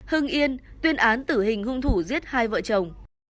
hưng yên tuyên án tử hình hung thủ giết hai vợ chồng